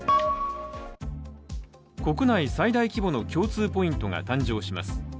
国内最大規模の共通ポイントが誕生します。